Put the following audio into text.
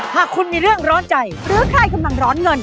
หากคุณมีเรื่องร้อนใจหรือใครกำลังร้อนเงิน